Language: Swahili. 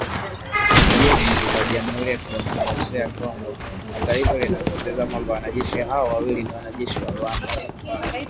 Jeshi la Jamuhuri ya Kidemokrasia ya Kongo hata hivyo linasisitiza kwamba “wanajeshi hao wawili ni wanajeshi wa Rwanda